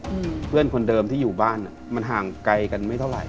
อืมเพื่อนคนเดิมที่อยู่บ้านเนี้ยมันห่างไกลกันไม่เท่าไห